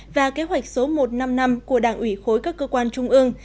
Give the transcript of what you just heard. và kế hoạch số một trăm năm mươi năm của đảng ủy khối các cơ quan trung ương